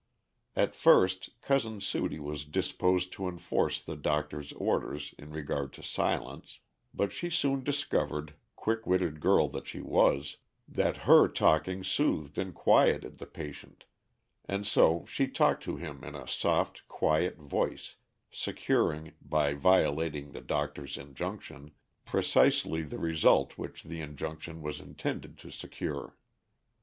At first Cousin Sudie was disposed to enforce the doctor's orders in regard to silence; but she soon discovered, quick witted girl that she was, that her talking soothed and quieted the patient, and so she talked to him in a soft, quiet voice, securing, by violating the doctor's injunction, precisely the result which the injunction was intended to secure.